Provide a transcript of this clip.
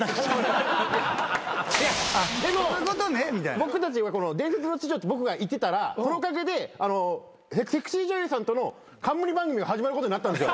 僕たちは伝説の痴女って僕が言ってたらそのおかげでセクシー女優さんとの冠番組が始まることになったんですよ。